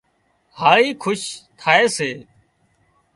هاۯي کُش ٿائي سي